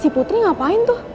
si putri ngapain tuh